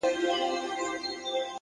د هدف وضاحت ګډوډي ختموي